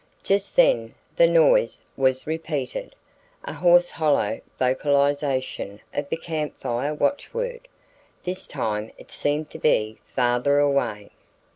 Just then the "noise" was repeated, a hoarse hollow vocalization of the Camp Fire Watchword. This time it seemed to be farther away.